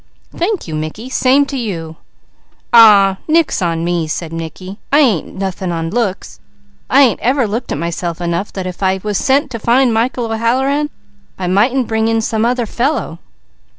"Thank you, Mickey! Same to you!" "Aw, nix on me!" said Mickey. "I ain't nothing on looks! I ain't ever looked at myself enough that if I was sent to find Michael O'Halloran I mightn't bring in some other fellow."